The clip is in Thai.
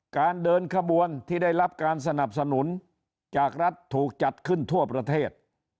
เดินขบวนที่ได้รับการสนับสนุนจากรัฐถูกจัดขึ้นทั่วประเทศ